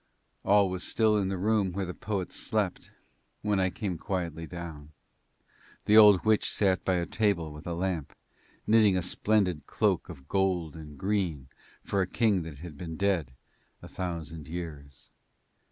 All was still in the room where the poets slept when I came quietly down. The old witch sat by a table with a lamp, knitting a splendid cloak of gold and green for a king that had been dead a thousand years.